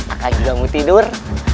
akang juga mau tidur